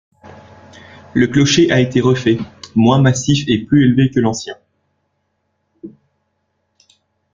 Le clocher a été refait, moins massif et plus élevé que l’ancien.